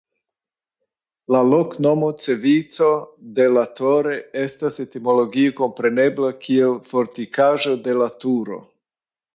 La loknomo "Cevico de la Torre" estas etimologie komprenebla kiel Fortikaĵo de la Turo.